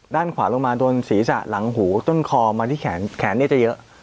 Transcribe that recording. ด้านขวาลงมาโดนศีรษะหลังหูต้นคอมาที่แขนแขนจะเยอะ